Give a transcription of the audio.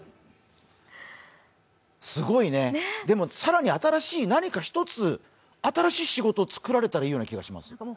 すごいね、でも更に新しい仕事を作られたらいいような気がします。